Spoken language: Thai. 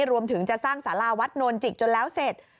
รวมถึงจะสร้างสาราวัดโนนจิกจนแล้วเสร็จ